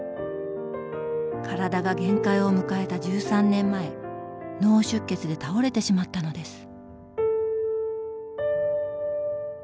体が限界を迎えた１３年前脳出血で倒れてしまったのです。